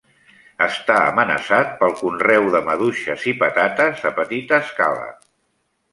Està amenaçat pel conreu de maduixes i patates a petita escala.